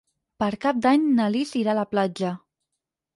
Per Cap d'Any na Lis irà a la platja.